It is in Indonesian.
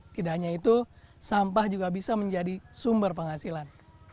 tidak hanya itu sampah juga bisa menjadi sumber penghasilan